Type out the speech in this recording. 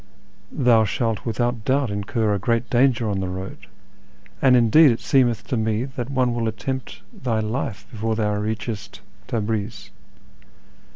Thou shalt without doubt incur a great danger on the road, and indeed it seemeth to me that one will attempt thy life before thou reachest Tabriz.